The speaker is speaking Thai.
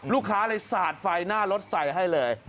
ลูกค้าเลยสาดไฟหน้ารถใส่ให้เลย